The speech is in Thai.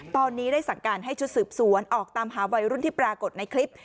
ตอนนี้ได้สั่งการให้ชุดสืบสวนออกตามหาวัยรุ่นที่ปรากฏในคลิป